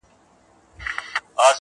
چي په کال کي یې هر څه پیسې گټلې؛